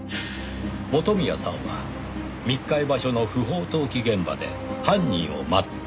元宮さんは密会場所の不法投棄現場で犯人を待っていた。